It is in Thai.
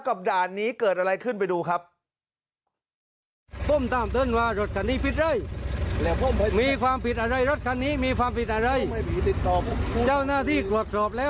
ด่านนี้เกิดอะไรขึ้นไปดูครับ